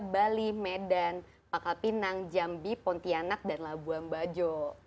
bali medan pakalpinang jambi pontianak dan labuan bajo